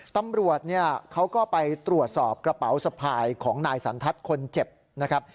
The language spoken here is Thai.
ตำรวจเนี่ยเขาก็ไปตรวจสอบกระเป๋าสะพายของนายสันทัศน์คนเจ็บนะครับ